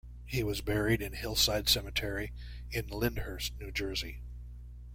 He was buried in Hillside Cemetery in Lyndhurst, New Jersey.